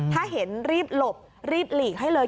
ถ้าเห็นรีบหลบรีบหลีกให้เลย